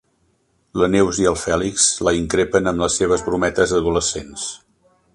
La Neus i el Fèlix la increpen amb les seves brometes adolescents.